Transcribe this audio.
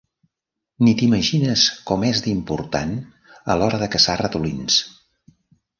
Ni t'imagines com és d'important a l'hora de caçar ratolins.